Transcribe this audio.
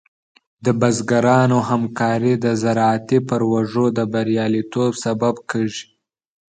د بزګرانو همکاري د زراعتي پروژو د بریالیتوب سبب کېږي.